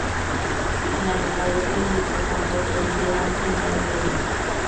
El anotador del único tanto fue Miguel Ángel Marin Ramírez.